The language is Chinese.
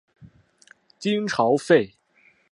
金朝废。